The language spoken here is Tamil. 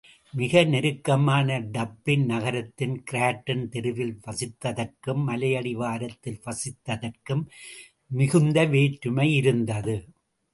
மிக நெருக்கமான டப்ளின் நகரத்தின் கிராட்டன் தெருவில் வசித்ததற்கும் மலையடிவாரத்தில் வசித்ததற்கும் மிகுந்த வேற்றுமை இருந்தது.